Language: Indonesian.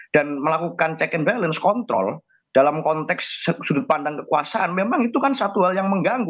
dan melakukan check and balance kontrol dalam konteks sudut pandang kekuasaan memang itu kan satu hal yang mengganggu